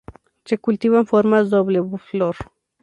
Se cultivan formas doble flor.